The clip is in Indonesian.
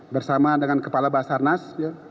bersama dengan kepala basarnas